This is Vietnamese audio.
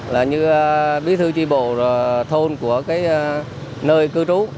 là như bí thư tri bộ rồi thôn của cái nơi cư trú